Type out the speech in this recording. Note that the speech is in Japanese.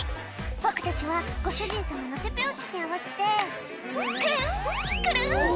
「僕たちはご主人様の手拍子に合わせて」「クルンクルン！」